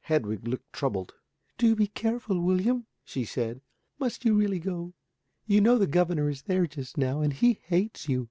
Hedwig looked troubled. "Do be careful, William," she said. "Must you really go? You know the governor is there just now, and he hates you."